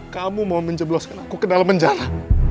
kamu mau menjebloskan aku ke dalam penjara